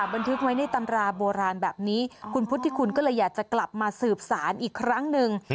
บันทึกไว้ในตำราโบราณแบบนี้คุณพุทธิคุณก็เลยอยากจะกลับมาสืบสารอีกครั้งหนึ่ง